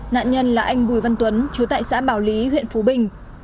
nạn nhân là anh bùi văn tuấn chú tại xã bảo lý huyện phú bình